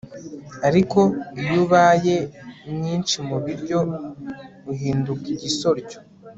ariko iyo ubaye mwinshimubiryo uhinduka igisoryo